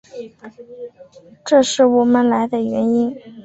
这是我们来的原因。